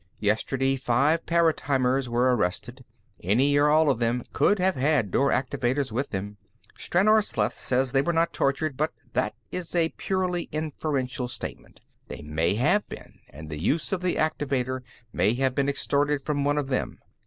"Yesterday, five paratimers were arrested. Any or all of them could have had door activators with them. Stranor Sleth says they were not tortured, but that is a purely inferential statement. They may have been, and the use of the activator may have been extorted from one of them.